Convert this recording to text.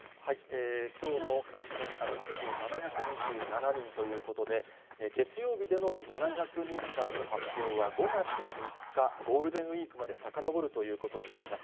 きょうの感染者の発表、７２７人ということで、月曜日での７００人台の発表は５月３日、ゴールデンウィークまでさかのぼるということになります。